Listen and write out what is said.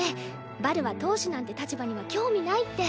バルは当主なんて立場には興味ないって。